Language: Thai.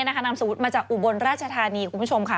นามสมมุติมาจากอุบลราชธานีคุณผู้ชมค่ะ